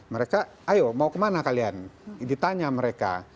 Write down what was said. mereka ayo mau kemana kalian ditanya mereka